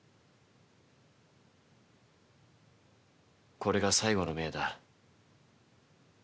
これが最後の命だ。